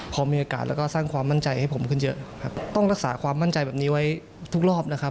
พอมีโอกาสแล้วก็สร้างความมั่นใจให้ผมขึ้นเยอะครับต้องรักษาความมั่นใจแบบนี้ไว้ทุกรอบนะครับ